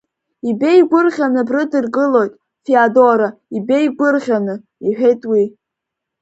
Ибеигәырӷьаны брыдыркылоит, Феодора, ибеигәырӷьаны, — иҳәеит уи.